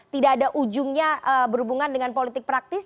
tidak ada ujungnya berhubungan dengan politik praktis